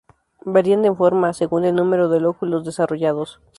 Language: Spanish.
Varían en forma, según el número de lóculos desarrollados.